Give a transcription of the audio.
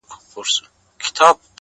• زما خو ټوله زنده گي توره ده؛